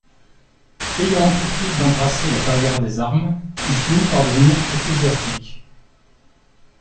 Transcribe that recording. Ayant entrepris d’embrasser la carrière des armes, il finit par devenir ecclésiastique.